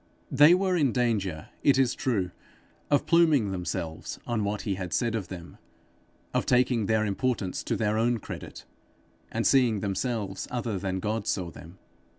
They were in danger, it is true, of pluming themselves on what he had said of them, of taking their importance to their own credit, and seeing themselves other than God saw them.